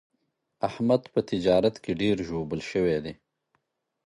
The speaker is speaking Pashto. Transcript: احمد په تجارت کې ډېر ژوبل شوی دی.